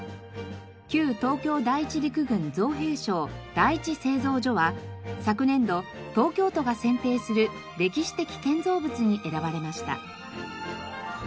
旧東京第一陸軍造兵廠第一製造所は昨年度東京都が選定する歴史的建造物に選ばれました。